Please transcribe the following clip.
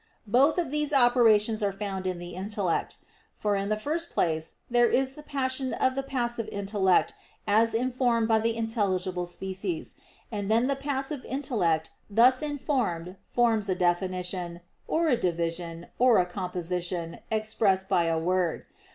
Both of these operations are found in the intellect. For in the first place there is the passion of the passive intellect as informed by the intelligible species; and then the passive intellect thus informed forms a definition, or a division, or a composition, expressed by a word.